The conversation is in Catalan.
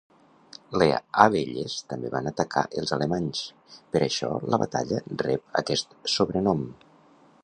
Lea abelles també van atacar els alemanys; per això la batalla rep aquest sobrenom.